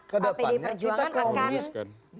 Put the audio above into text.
kedepannya kita akan menguruskan